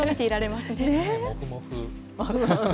もふもふ。